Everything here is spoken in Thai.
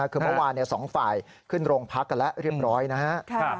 คือเมื่อวานสองฝ่ายขึ้นโรงพักกันแล้วเรียบร้อยนะครับ